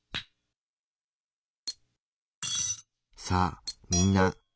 さあみんな。